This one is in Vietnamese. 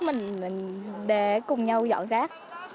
mình để cùng nhau dọn rác